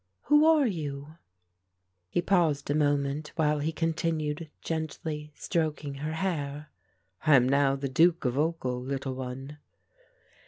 Who are you?" He paused a moment, while he continued gently stroking her hair. "I am now the Duke of Ochil, little one."